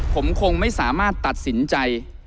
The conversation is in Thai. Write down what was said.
ผมคงไม่สามารถตัดสินใจ